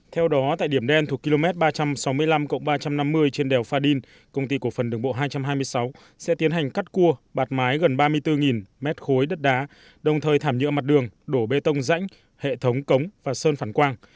theo đó tại điểm đen thuộc km ba trăm sáu mươi năm ba trăm năm mươi trên đèo pha đin công ty cổ phần đường bộ hai trăm hai mươi sáu sẽ tiến hành cắt cua bạt mái gần ba mươi bốn mét khối đất đá đồng thời thảm nhựa mặt đường đổ bê tông rãnh hệ thống cống và sơn phản quang